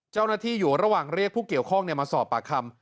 เจ้าหน้าที่อยู่ระหว่างเรียกผู้เกี่ยวข้องมาสอบปากคำ